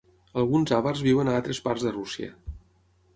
Alguns àvars viuen a altres parts de Rússia.